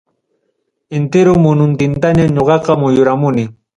Entero mununtintañam ñoqaqa muyuramuni.